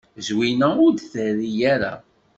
Zwina ur d-terri ara.